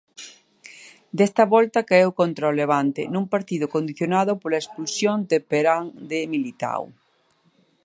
Desta volta caeu contra o Levante, nun partido condicionado pola expulsión temperá de Militao.